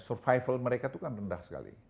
survival mereka itu kan rendah sekali